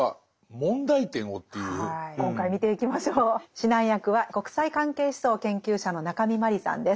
指南役は国際関係思想研究者の中見真理さんです。